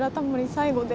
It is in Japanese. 最後で。